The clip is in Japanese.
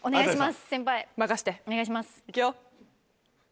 いくよ。